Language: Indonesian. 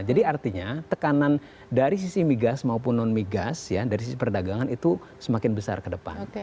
jadi artinya tekanan dari sisi migas maupun non migas ya dari sisi perdagangan itu semakin besar ke depan